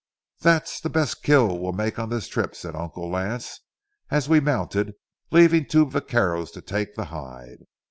"That's the best kill we'll make on this trip," said Uncle Lance as we mounted, leaving two vaqueros to take the hide.